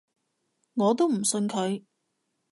我都唔信佢